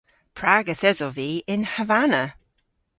Prag yth esov vy yn Havana?